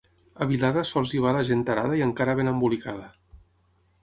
A Vilada sols hi va la gent tarada i encara ben embolicada.